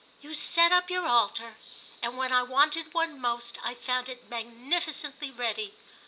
"You set up your altar, and when I wanted one most I found it magnificently ready.